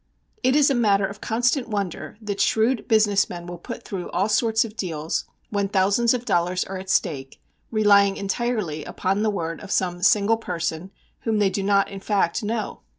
It is matter of constant wonder that shrewd business men will put through all sorts of deals, when thousands of dollars are at stake, relying entirely upon the word of some single person, whom they do not in fact know.